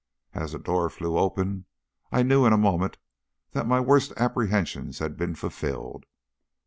As the door flew open I knew in a moment that my worst apprehensions had been fulfilled.